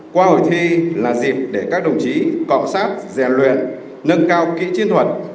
qua hội thi là dịp để các đồng chí cọ sát rèn luyện nâng cao kỹ chiến thuật